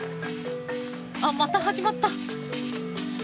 あっまた始まった。